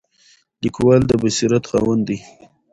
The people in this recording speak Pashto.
لیکوال د بصیرت خاوند دی.